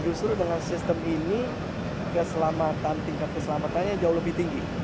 justru dengan sistem ini keselamatan tingkat keselamatannya jauh lebih tinggi